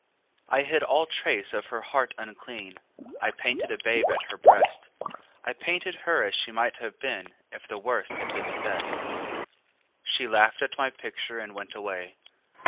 I hid all trace of her heart unclean; I painted a babe at her breast; I painted her as she might have been If the Worst had been the Best. She laughed at my picture and went away.